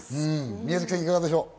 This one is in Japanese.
宮崎さん、いかがでしょう？